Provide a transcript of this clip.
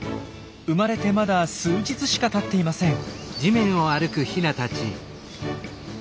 生まれてまだ数日しかたっていません。